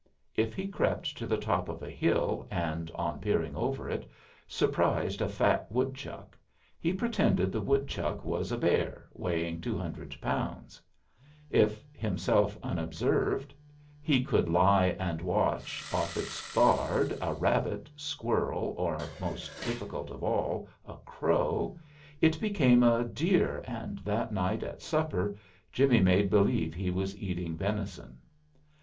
If he crept to the top of a hill and, on peering over it, surprised a fat woodchuck, he pretended the woodchuck was a bear, weighing two hundred pounds; if, himself unobserved, he could lie and watch, off its guard, a rabbit, squirrel, or, most difficult of all, a crow, it became a deer and that night at supper Jimmie made believe he was eating venison.